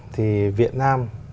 thì việt nam